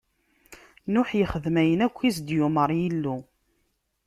Nuḥ ixdem ayen akk i s-d-yumeṛ Yillu.